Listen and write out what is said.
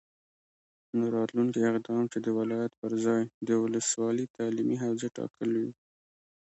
نو راتلونکی اقدام چې د ولایت پرځای د ولسوالي تعلیمي حوزې ټاکل وي،